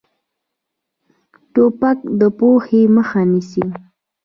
توپک د پوهې مخه نیسي.